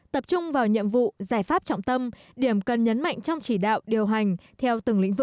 tập trung vào nhiệm vụ giải pháp trọng tâm điểm cần nhấn mạnh trong chỉ đạo